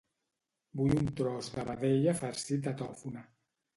Vull un tros de vedella farcit de tòfona.